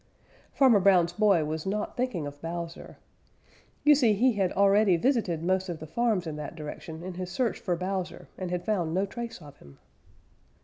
Farmer Brown's boy was not thinking of Bowser. You see, he had already visited most of the farms in that direction in his search for Bowser and had found no trace of him.